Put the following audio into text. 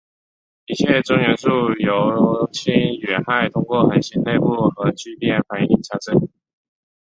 一切重元素由氢与氦通过恒星内部核聚变反应产生。